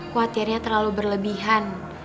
khawatirnya terlalu berlebihan